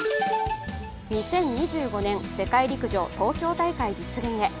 ２０２５年、世界陸上東京大会実現へ。